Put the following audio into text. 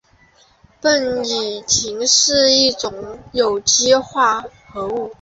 苯乙腈是一种有机化合物。